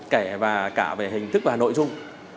kể cả về hình thức và nội dung